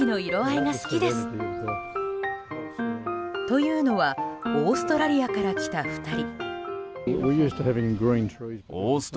と言うのはオーストラリアから来た２人。